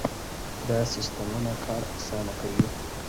دا سیستمونه کار اسانه کوي.